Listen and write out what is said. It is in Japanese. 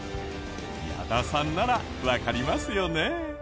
矢田さんならわかりますよね？